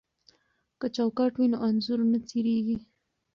که چوکاټ وي نو انځور نه څیریږي.